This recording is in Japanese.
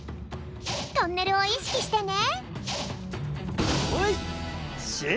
トンネルをいしきしてね。